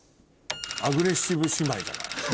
アグレッシブ姉妹じゃない。